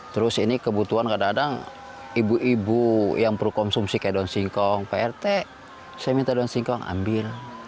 terus ini kebutuhan kadang kadang ibu ibu yang perlu konsumsi kayak daun singkong prt saya minta daun singkong ambil